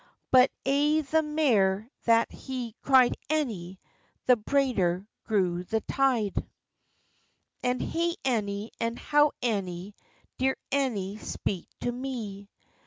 But ay the mair that he cried "Annie," The braider grew the tide. And "Hey, Annie!" and "How, Annie! Dear Annie, speak to me!"